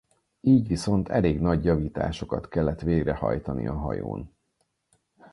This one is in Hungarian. Így viszont elég nagy javításokat kellett végrehajtani a hajón.